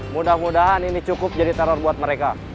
mudah mudahan ini cukup jadi teror buat mereka